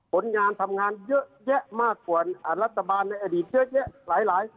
ผลงานทำงานเยอะแยะมากกว่ารัฐบาลในอดีตเยอะแยะหลาย